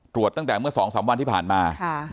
ตรวจตั้งแต่เมื่อ๒๓วันที่ผ่านมา